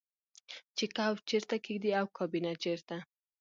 چې کوچ چیرته کیږدئ او کابینه چیرته